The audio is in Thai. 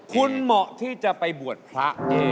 คุณเหมาะที่จะไปบวชพระ